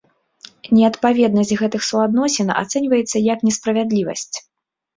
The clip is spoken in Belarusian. Неадпаведнасць гэтых суадносін ацэньваецца як несправядлівасць.